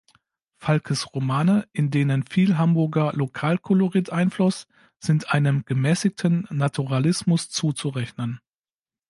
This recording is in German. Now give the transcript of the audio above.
Falkes Romane, in denen viel Hamburger Lokalkolorit einfloss, sind einem gemäßigten Naturalismus zuzurechnen.